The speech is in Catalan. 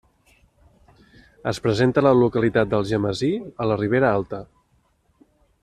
Es presenta a la localitat d'Algemesí, a la Ribera Alta.